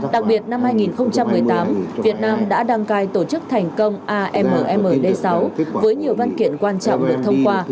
đặc biệt năm hai nghìn một mươi tám việt nam đã đăng cai tổ chức thành công ammd sáu với nhiều văn kiện quan trọng được thông qua